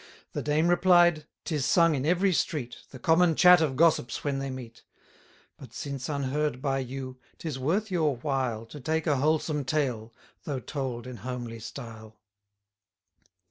The dame replied: 'Tis sung in every street, The common chat of gossips when they meet; But, since unheard by you, 'tis worth your while To take a wholesome tale, though told in homely style.